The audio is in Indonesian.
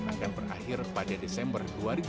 akan berakhir pada desember dua ribu sembilan belas